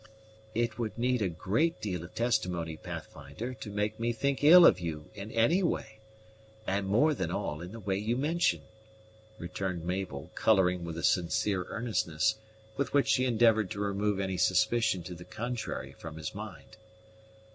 "It would need a great deal of testimony, Pathfinder, to make me think ill of you in any way, and more than all in the way you mention," returned Mabel, coloring with the sincere earnestness with which she endeavored to remove any suspicion to the contrary from his mind.